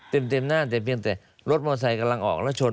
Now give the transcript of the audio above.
เต็มหน้าแต่เพียงแต่รถมอไซค์กำลังออกแล้วชน